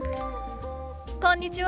こんにちは。